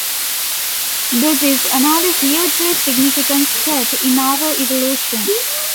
This is another hugely significant step in our evolution.